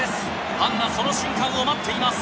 ファンがその瞬間を待っています